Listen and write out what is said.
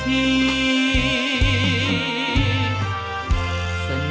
ไม่ใช้